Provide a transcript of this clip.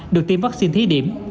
được tiêm vaccine thí điểm